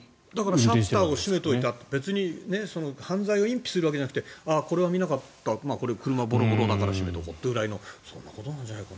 シャッターを閉めていたって別に、犯罪を隠避するためじゃなくてこれは見なかった車、ボロボロだから閉めておこうくらいのことなんじゃないかな。